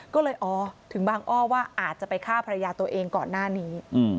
ก็เลยอ๋อถึงบางอ้อว่าอาจจะไปฆ่าภรรยาตัวเองก่อนหน้านี้